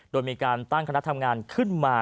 โดยมีการตั้งคณะทำงานขึ้นมา